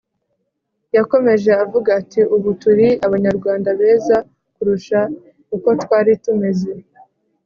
Yakomeje avuga ati ubu turi abanyarwanda beza kurusha uko twari tumeze